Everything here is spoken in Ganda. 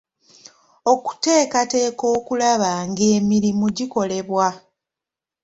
Okuteekateeka okulaba ng'emirimu gikolebwa.